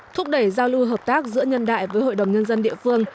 thúc đẩy giao lưu hợp tác giữa nhân đại với hội đồng nhân dân địa phương